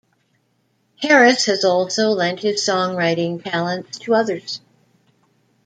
Harris has also lent his songwriting talent to others.